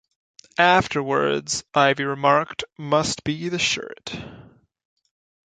Afterwards, Ivey remarked, Must be the shirt.